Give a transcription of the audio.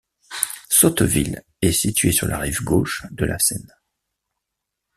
Sotteville est situé sur la rive gauche de la Seine.